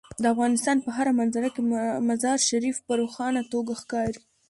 د افغانستان په هره منظره کې مزارشریف په روښانه توګه ښکاري.